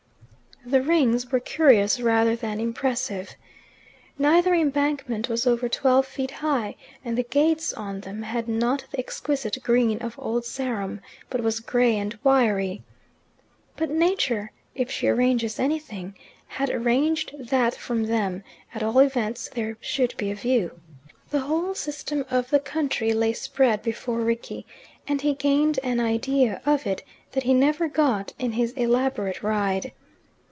The Rings were curious rather than impressive. Neither embankment was over twelve feet high, and the grass on them had not the exquisite green of Old Sarum, but was grey and wiry. But Nature (if she arranges anything) had arranged that from them, at all events, there should be a view. The whole system of the country lay spread before Rickie, and he gained an idea of it that he never got in his elaborate ride.